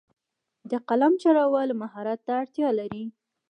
د قلم چلول مهارت ته اړتیا لري.